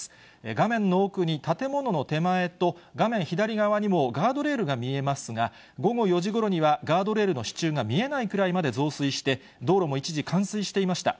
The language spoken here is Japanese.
画面の奥に、建物の手前と、画面左側にもガードレールが見えますが、午後４時ごろには、ガードレールの支柱が見えないくらいまで増水して、道路も一時冠水していました。